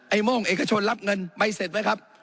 โม่งเอกชนรับเงินใบเสร็จไหมครับ